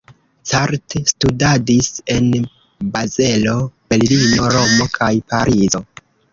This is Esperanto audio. Cart studadis en Bazelo, Berlino, Romo kaj Parizo.